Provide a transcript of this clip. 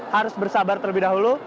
harus bersabar terlebih dahulu